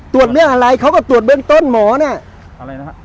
ตรวจเรื่องอะไรเขาก็ตรวจเบื้องต้นหมอเนี่ยอะไรนะฮะ